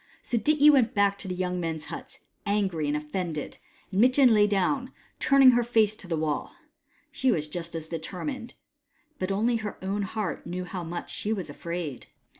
So Dityi went back to the young men's huts, angry and offended, and Mitjen lay down, turning her face to the wall. She was just as determined ; but only her owti heart knew how much she was afraid.